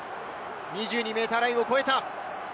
２２ｍラインを超えた。